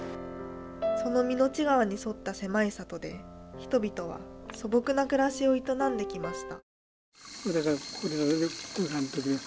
その水内川に沿った狭い里で人々は素朴な暮らしを営んできました